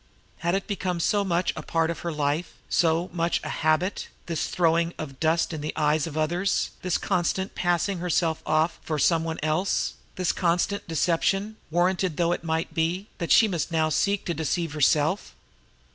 Had it become so much a part of her life, so much a habit, this throwing of dust in the eyes of others, this constant passing of herself off for some one else, this constant deception, warranted though it might be, that she must now seek to deceive herself!